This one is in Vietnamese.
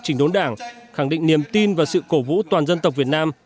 chỉnh đốn đảng khẳng định niềm tin và sự cổ vũ toàn dân tộc việt nam